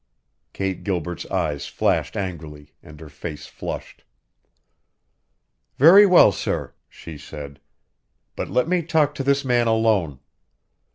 Kate Gilbert's eyes flashed angrily, and her face flushed. "Very well, sir," she said. "But let me talk to this man alone.